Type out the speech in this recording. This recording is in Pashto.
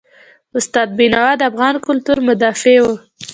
استاد بینوا د افغان کلتور مدافع و.